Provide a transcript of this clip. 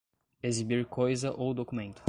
exibir coisa ou documento